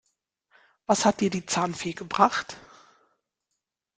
Was hat dir die Zahnfee gebracht?